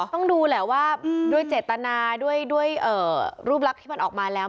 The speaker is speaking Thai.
ต้องดูแหละว่าด้วยเจตนาด้วยรูปลักษณ์ที่มันออกมาแล้ว